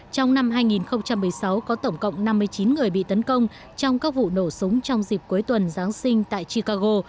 trong năm hai nghìn một mươi sáu có tổng cộng năm mươi chín người bị tấn công trong các vụ nổ súng trong dịp cuối tuần giáng sinh tại chicago